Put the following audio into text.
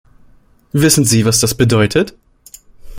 Wissen Sie, was das bedeutet?